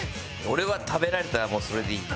俺は食べられたらもうそれでいい。